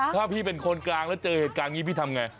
ถ้าพี่เป็นคนกลางแล้วเจอเหตุการณ์นี้พี่ทำไง